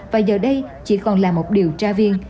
và giờ đây chỉ còn là một điều tra viên